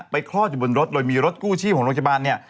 คลอดอยู่บนรถโดยมีรถกู้ชีพของโรงพยาบาลเนี่ย